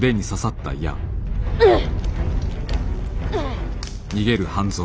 うっ！